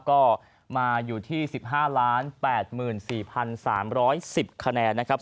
ก็มาอยู่ที่๑๕๘๔๓๑๐คะแนนนะครับ